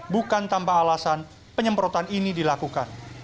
bukan tanpa alasan penyemprotan ini dilakukan